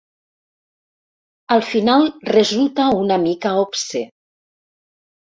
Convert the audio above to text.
Al final, resulta una mica obscè.